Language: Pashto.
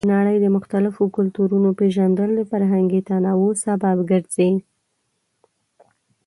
د نړۍ د مختلفو کلتورونو پیژندل د فرهنګي تنوع سبب ګرځي.